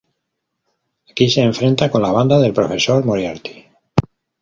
Aquí se enfrenta con la banda del profesor Moriarty.